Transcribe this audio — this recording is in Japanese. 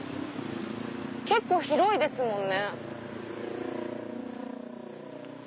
結構広いですもんね。